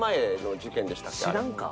知らんか。